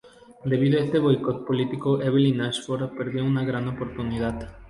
Debido a este boicot político, Evelyn Ashford perdió una gran oportunidad.